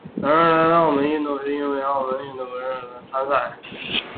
而来自澳门的运动员则因为中国澳门不是国际奥委会成员而没有参赛。